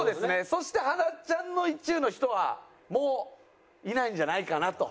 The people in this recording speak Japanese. そしてはらちゃんの意中の人はもういないんじゃないかなと。